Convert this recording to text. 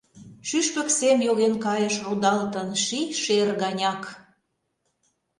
Шӱшпык сем йоген кайыш рудалтын ший шер ганяк.